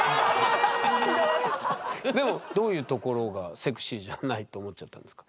どういうところが「セクシーじゃない」と思っちゃったんですか？